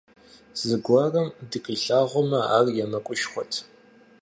Зыгуэрым дыкъилъагъумэ, ар емыкӀушхуэт.